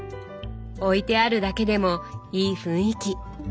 置いてあるだけでもいい雰囲気。